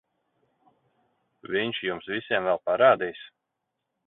Viņš jums visiem vēl parādīs...